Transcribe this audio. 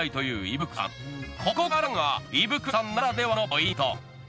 しかもここからが胃袋さんならではのポイント。